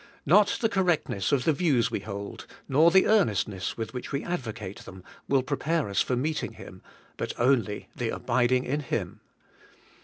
Not the correctness of the views we hold, nor the earnestness with which we advocate them, will prepare us for meeting Him, but only the abiding in Him.